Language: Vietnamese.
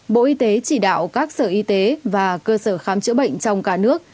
bộ y tế chỉ đạo các sở y tế và cơ sở khám chữa bệnh trong cả nước